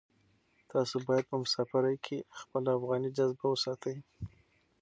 تاسو باید په مسافرۍ کې خپله افغاني جذبه وساتئ.